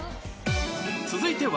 続いては